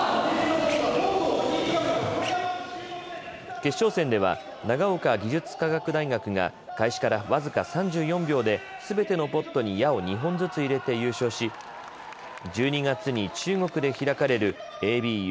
決勝戦では長岡技術科学大学が開始から僅か３４秒ですべてのポットに矢を２本ずつ入れて優勝し１２月に中国で開かれるＡＢＵ